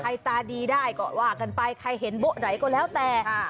ตาดีได้ก็ว่ากันไปใครเห็นโบ๊ะไหนก็แล้วแต่